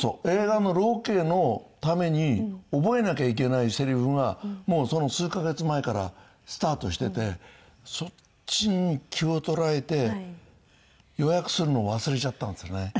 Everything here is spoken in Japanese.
映画のロケのために覚えなきゃいけないせりふがもうその数カ月前からスタートしててそっちに気を取られて予約するのを忘れちゃったんですよね。